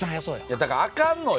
いやだからあかんのよ。